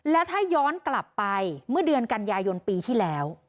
แล้วถ้าย้อนกลับไปเมื่อเดือนกันยายนปีที่แล้ว